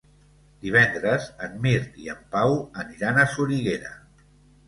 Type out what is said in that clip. Divendres en Mirt i en Pau aniran a Soriguera.